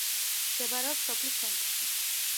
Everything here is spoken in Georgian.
მდებარეობს სოფლის ცენტრში.